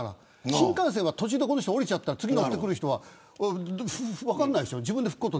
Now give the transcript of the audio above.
新幹線は途中で降りちゃったら次に乗ってくる人は分からない。